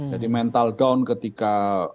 jadi mental down ketika